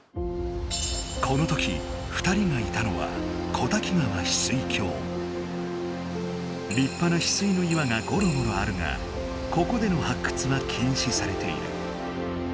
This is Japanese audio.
この時２人がいたのは立派なヒスイの岩がゴロゴロあるがここでのはっくつは禁止されている。